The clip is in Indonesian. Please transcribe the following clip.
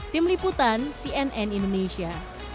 tim liputan cnn indonesia